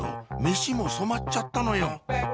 飯も染まっちゃったのよ